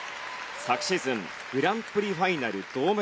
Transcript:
昨シーズングランプリファイナル銅メダル。